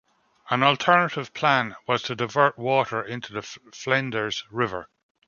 An alternative plan was to divert water into the Flinders River.